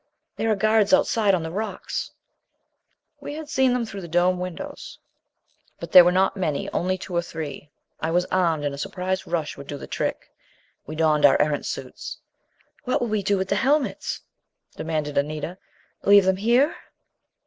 "There are guards outside on the rocks." We had seen them through the dome windows. But there were not many, only two or three. I was armed and a surprise rush would do the trick. We donned our Erentz suits. "What will we do with the helmets?" demanded Anita. "Leave them here?"